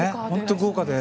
豪華で。